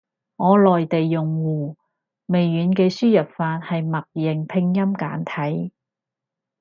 我內地用戶，微軟嘅輸入法係默認拼音簡體。